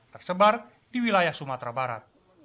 tersebar di wilayah sumatera barat